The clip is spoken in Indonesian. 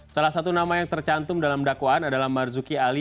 salah satu nama yang tercantum dalam dakwaan adalah marzuki ali